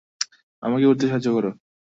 আমাকে উঠতে সাহায্য করো।